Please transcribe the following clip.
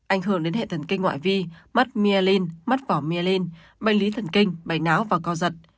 ảnh hưởng đến hệ thần kinh ngoại vi mất myelin mất vỏ myelin bệnh lý thần kinh bệnh não và co giật